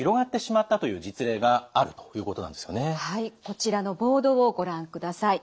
こちらのボードをご覧ください。